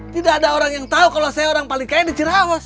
tidak ada orang yang tahu kalau saya orang paling kaya di cirawas